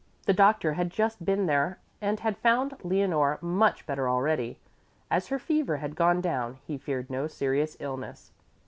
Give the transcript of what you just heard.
The doctor had just been there and had found Leonore much better already. As her fever had gone down, he feared no serious illness.